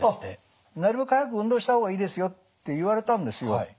なるべく早く運動した方がいいですよって言われたんですよ。